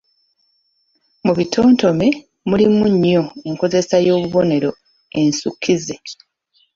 Mu bitontome mulimu nnyo enkozesa y’obubonero ensukizze.